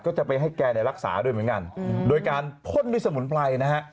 ก็จะไปให้แกเนี่ยรักษาด้วยเหมือนกันโดยการพ่นด้วยสมุนไพรนะฮะ